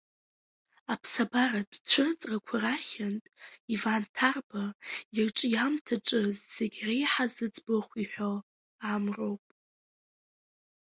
Аԥсабаратә цәырҵрақәа рахьынтә Иван Ҭарба ирҿиамҭаҿы зегь реиҳа зыӡбахә иҳәо амроуп.